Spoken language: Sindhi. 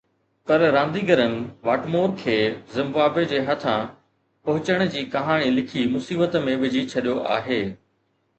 پر رانديگرن واٽمور کي زمبابوي جي هٿان پهچڻ جي ڪهاڻي لکي مصيبت ۾ وجهي ڇڏيو آهي